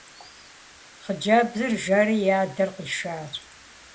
Хъыджэбзыр жэри и адэр къишащ.